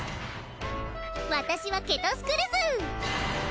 私はケトスクルズ！